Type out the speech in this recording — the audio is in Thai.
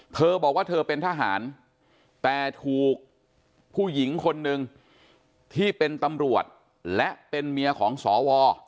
เธอบอกว่าเธอเป็นทหารแต่ถูกผู้หญิงคนหนึ่งที่เป็นตำรวจและเป็นเมียของสว